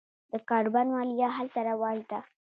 د کاربن مالیه هلته رواج ده.